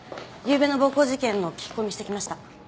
ゆうべの暴行事件の聞き込みしてきました。